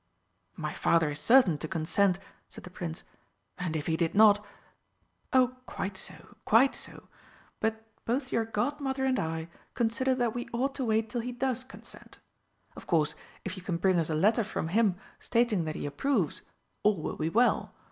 "My Father is certain to consent," said the Prince, "and if he did not " "Oh, quite so quite so but both your Godmother and I consider that we ought to wait till he does consent. Of course, if you can bring us a letter from him stating that he approves, all will be well.